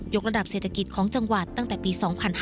กระดับเศรษฐกิจของจังหวัดตั้งแต่ปี๒๕๕๙